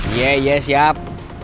ya ya siap